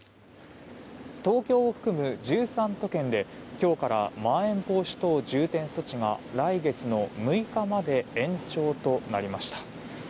東京を含む１３都県で今日からまん延防止等重点措置が来月の６日まで延長となりました。